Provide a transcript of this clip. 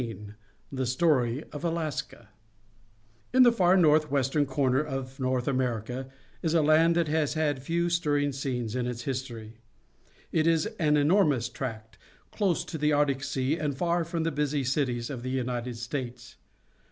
XIII THE STORY OF ALASKA In the far northwestern corner of North America is a land that has had few stirring scenes in its history. It is an enormous tract, close to the Arctic Sea, and far from the busy cities of the United States.